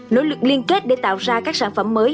nỗ lực liên kết để tạo ra các sản phẩm mới